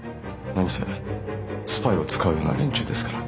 何せスパイを使うような連中ですから。